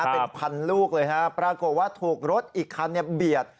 เป็นพันลูกเลยฮะปรากฏว่าถูกรถอีกคันเบียด